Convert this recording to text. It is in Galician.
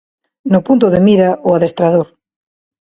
No punto de mira, o adestrador.